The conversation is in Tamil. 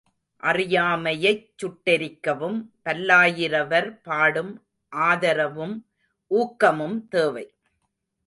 அறியாமையைச் சுட்டெரிக்கவும் பல்லாயிரவர் பாடும், ஆதரவும், ஊக்கமும் தேவை.